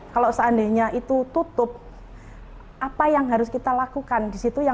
kalau seandainya itu tutup apa yang harus kita lakukan di situ